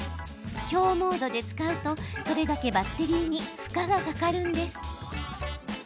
強モードで使うと、それだけバッテリーに負荷がかかるんです。